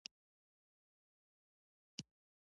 پوهانو نه غوښتل د جینټیکي تنوع ادعا توکمپالنه رامنځ ته کړي.